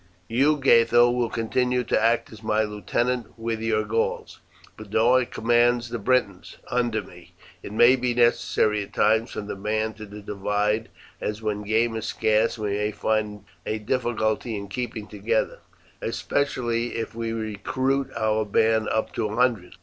"You, Gatho, will continue to act as my lieutenant with your Gauls, Boduoc commands the Britons under me. It may be necessary at times for the band to divide, as when game is scarce we may find a difficulty in keeping together, especially if we recruit our band up to a hundred.